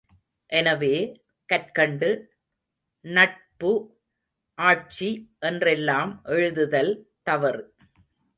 எனவே, கற்க்கண்டு, நட்ப்பு, ஆட்ச்சி என்றெல்லாம் எழுதுதல் தவறு.